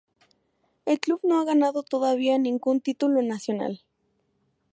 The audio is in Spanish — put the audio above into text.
El club no ha ganado todavía ningún título nacional.